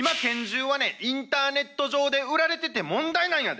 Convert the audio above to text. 今、拳銃はね、インターネット上で売られてて、問題なんやで。